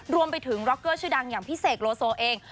รวมไปถึงร็อกเกอร์ชื่อดังอย่างพี่เสกโลโซเอง